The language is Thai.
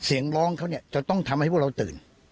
เสียงร้องเขาเนี่ยจะต้องทำให้พวกเราตื่น